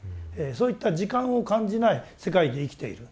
そういった時間を感じない世界で生きている。